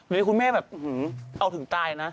เดี๋ยวคุณแม่แบบอื้อหือเอาถึงตายนะ